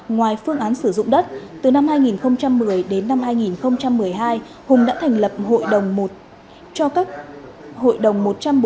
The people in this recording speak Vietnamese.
ngoài phương án sử dụng đất từ năm hai nghìn một mươi đến năm hai nghìn một mươi hai hùng đã thành lập hội đồng một trăm bốn mươi bảy